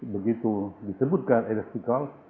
begitu disebutkan elias pikal